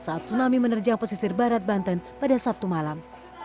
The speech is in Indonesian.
saat tsunami menerjang pesisir barat banten pada sabtu malam